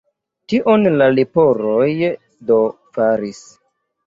Tion la leporoj do faris.